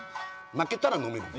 負けたら飲めるの？